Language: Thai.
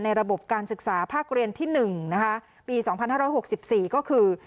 ระบบการศึกษาภาคเรียนที่๑นะคะปี๒๕๖๔ก็คือ